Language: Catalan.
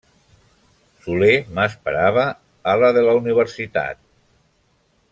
Soler m’esperava a la de la Universitat.